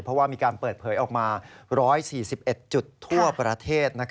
เพราะว่ามีการเปิดเผยออกมา๑๔๑จุดทั่วประเทศ